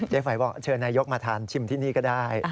ไฟบอกเชิญนายกมาทานชิมที่นี่ก็ได้